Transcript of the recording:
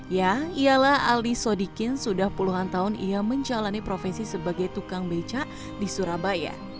ya ialah ali sodikin sudah puluhan tahun ia menjalani profesi sebagai tukang beca di surabaya